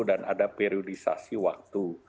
dan ada periodisasi waktu